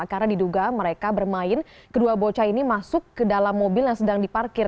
karena diduga mereka bermain kedua bocah ini masuk ke dalam mobil yang sedang diparkir